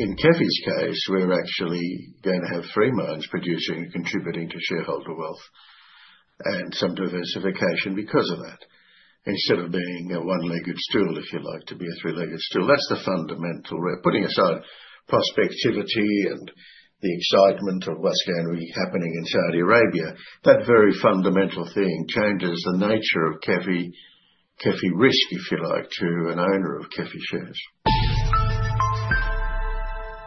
In KEFI's case, we're actually gonna have three mines producing and contributing to shareholder wealth and some diversification because of that. Instead of being a one-legged stool, if you like, to be a three-legged stool. That's the fundamental we're putting aside prospectivity and the excitement of what's going to be happening in Saudi Arabia. That very fundamental thing changes the nature of KEFI risk, if you like, to an owner of KEFI shares.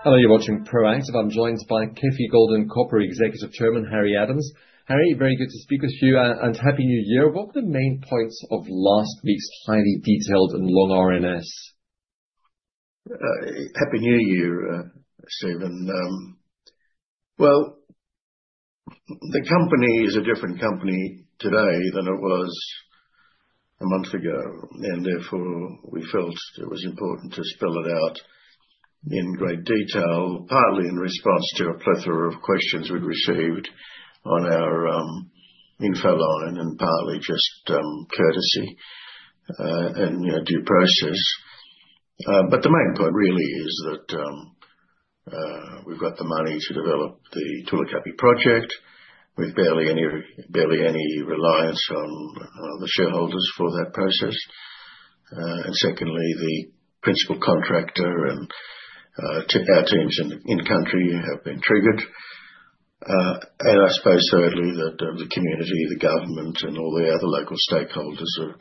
Hello, you're watching Proactive. I'm joined by KEFI Gold and Copper Executive Chairman, Harry Adams. Harry, very good to speak with you, and Happy New Year. What were the main points of last week's highly detailed and long RNS? Happy New Year, Steven. Well, the company is a different company today than it was a month ago, and therefore, we felt it was important to spell it out in great detail, partly in response to a plethora of questions we'd received on our info line and partly just courtesy, and you know, due process. The main point really is that we've got the money to develop the Tulu Kapi project. We've barely any reliance on the shareholders for that process. Secondly, the principal contractor and our teams in country have been triggered. I suppose, thirdly, that the community, the government, and all the other local stakeholders are,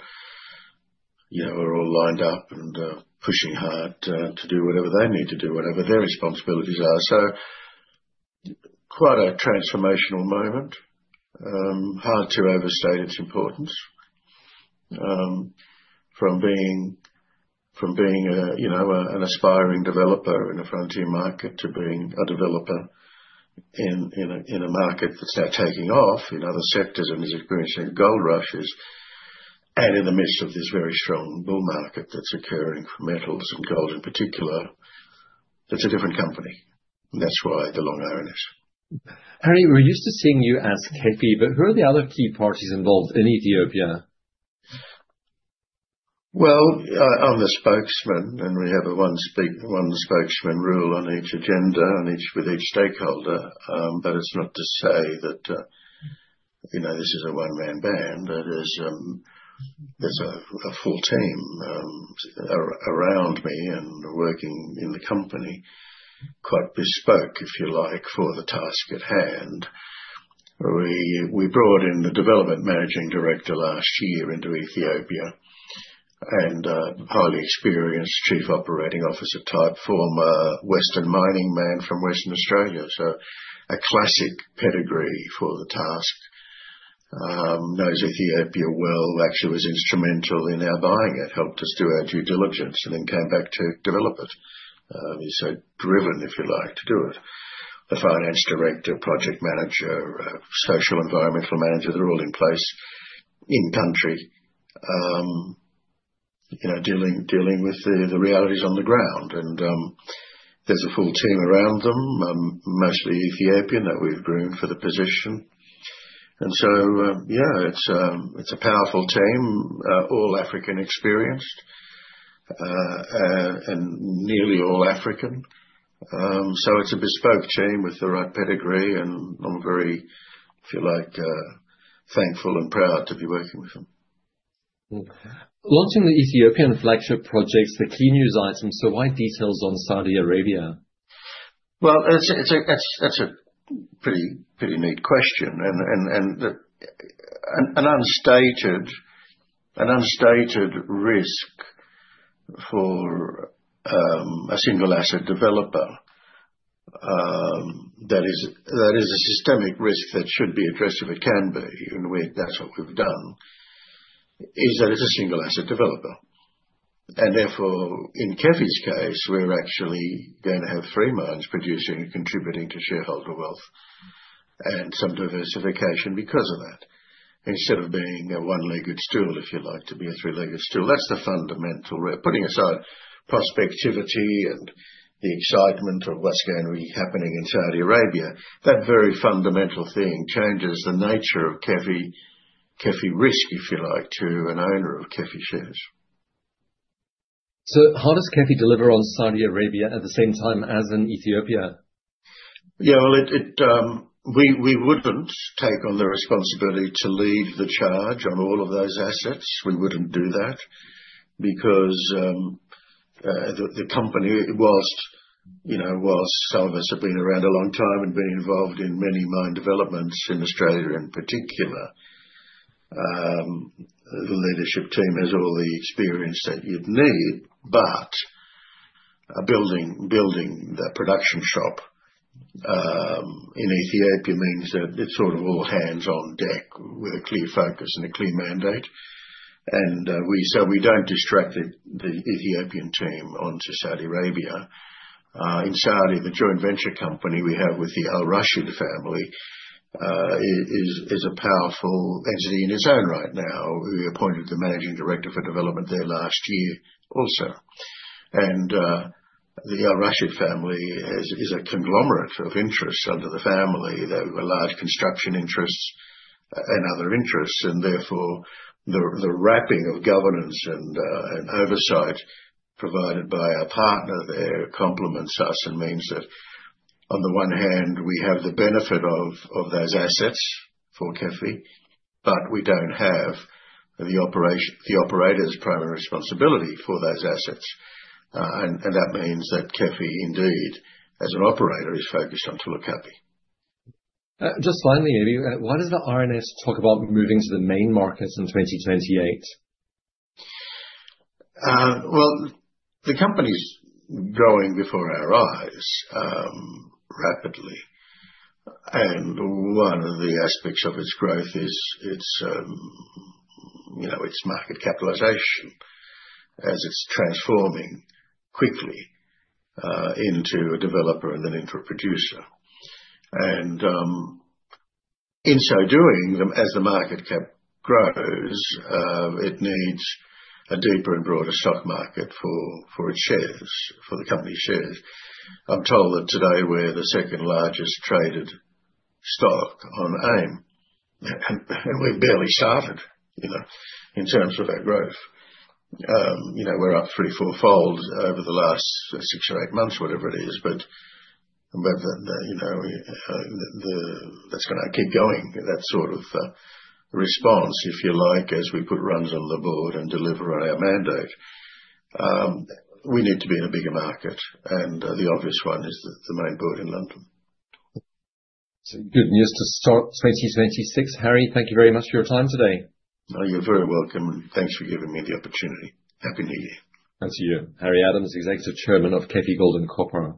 you know, all lined up and pushing hard to do whatever they need to do, whatever their responsibilities are. Quite a transformational moment. Hard to overstate its importance. From being a, you know, an aspiring developer in a frontier market to being a developer in a market that's now taking off in other sectors and is experiencing gold rushes and in the midst of this very strong bull market that's occurring for metals and gold in particular. It's a different company. That's why the long RNS. Harry, we're used to seeing you as KEFI, but who are the other key parties involved in Ethiopia? Well, I'm the spokesman, and we have a one spokesman rule on each agenda with each stakeholder. But it's not to say that, you know, this is a one-man band. There's a full team around me and working in the company, quite bespoke, if you like, for the task at hand. We brought in the development managing director last year into Ethiopia and a highly experienced chief operating officer-type former Western mining man from Western Australia. A classic pedigree for the task. He knows Ethiopia well. He actually was instrumental in our buying it. Helped us do our due diligence and then came back to develop it. He's so driven, if you like, to do it. The Finance Director, Project Manager, social environmental manager, they're all in place in-country. You know, dealing with the realities on the ground. There's a full team around them, mostly Ethiopian that we've groomed for the position. Yeah, it's a powerful team. All African experienced, and nearly all African. It's a bespoke team with the right pedigree, and I'm very, if you like, thankful and proud to be working with them. Launching the Ethiopian flagship project is the key news item, so why details on Saudi Arabia? Well, that's a pretty neat question. An unstated risk for a single asset developer that is a systemic risk that should be addressed if it can be. In a way, that's what we've done: it's a single asset developer. Therefore, in KEFI's case, we're actually gonna have three mines producing and contributing to shareholder wealth and some diversification because of that. Instead of being a one-legged stool, if you like, to be a three-legged stool. That's the fundamental we're putting aside prospectivity and the excitement of what's going to be happening in Saudi Arabia. That very fundamental thing changes the nature of KEFI risk, if you like, to an owner of KEFI shares. How does KEFI deliver on Saudi Arabia at the same time as in Ethiopia? Yeah, well, we wouldn't take on the responsibility to lead the charge on all of those assets. We wouldn't do that because the company, while, you know, while some of us have been around a long time and been involved in many mine developments in Australia in particular, the leadership team has all the experience that you'd need. Building the production shop in Ethiopia means that it's sort of all hands on deck with a clear focus and a clear mandate. We don't distract the Ethiopian team onto Saudi Arabia. In Saudi, the joint venture company we have with the Al Rashid family is a powerful entity in its own right now. We appointed the managing director for development there last year also. The Al Rashid family is a conglomerate of interests under the family. They have large construction interests and other interests, and therefore, the wrapping of governance and oversight provided by our partner there complements us and means that on the one hand, we have the benefit of those assets for Kefi, but we don't have the operator's primary responsibility for those assets. That means that Kefi indeed, as an operator, is focused on Tulu Kapi. Just finally, Harry, why does the RNS talk about moving to the main markets in 2028? Well, the company's growing before our eyes, rapidly. One of the aspects of its growth is its, you know, its market capitalization as it's transforming quickly into a developer and then into a producer. In so doing, as the market cap grows, it needs a deeper and broader stock market for its shares, for the company shares. I'm told that today we're the second-largest traded stock on AIM, and we've barely started, you know, in terms of our growth. You know, we're up three- or fourfold over the last 6 or 8 months, whatever it is. You know, that's gonna keep going. That sort of response, if you like, as we put runs on the board and deliver on our mandate. We need to be in a bigger market, and the obvious one is the main board in London. Good news to start 2026. Harry, thank you very much for your time today. Oh, you're very welcome. Thanks for giving me the opportunity. Happy New Year. To you. Harry Adams, Executive Chairman of KEFI Gold and Copper.